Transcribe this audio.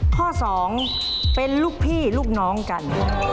ข้อ๒เป็นลูกพี่ลูกน้องกัน